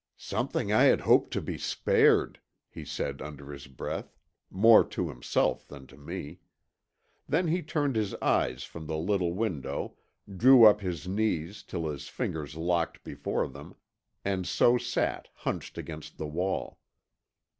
"Something I had hoped to be spared," he said under his breath; more to himself than to me. Then he turned his eyes from the little window, drew up his knees till his fingers locked before them, and so sat hunched against the wall.